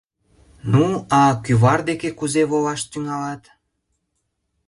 — Ну, а кӱвар деке кузе волаш тӱҥалат?